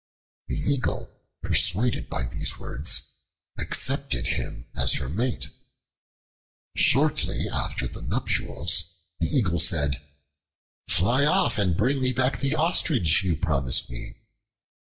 The Eagle, persuaded by these words, accepted him as her mate. Shortly after the nuptials, the Eagle said, "Fly off and bring me back the ostrich you promised me."